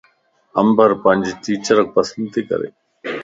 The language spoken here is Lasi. عمبر پانجي ٽيچرک پسنڌ تي ڪري